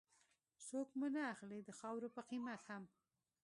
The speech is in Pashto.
څوک مو نه اخلي د خاورو په قيمت هم